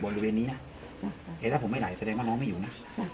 บริเวณนี้ถ้าผมไม่ไหลแสดงว่าน้องไม่อยู่นะ